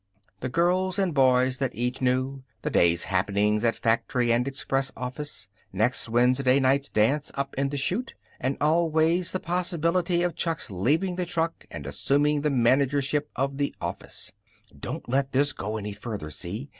The girls and boys that each knew; the day's happenings at factory and express office; next Wednesday night's dance up in the Chute; and always the possibility of Chuck's leaving the truck and assuming the managership of the office. "Don't let this go any further, see?